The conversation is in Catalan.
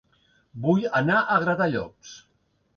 Vull anar a Gratallops